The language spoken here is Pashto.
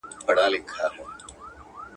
منفي فکر مه کوئ.